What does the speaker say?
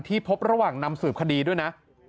พบระหว่างนำสืบคดีด้วยนะ